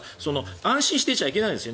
安心してちゃいけないですよね。